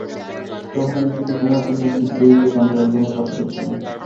তখন আমি শুধু তোমার জন্য একটি দ্বৈত গানের অ্যালবামের কাজ করছিলাম।